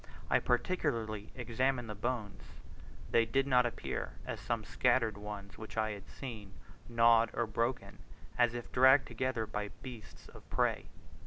I particularly examined the bones; they did not appear, as some scattered ones which I had seen, gnawed or broken, as if dragged together by beasts of prey.